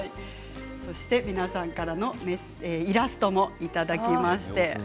皆さんからイラストもいただきました。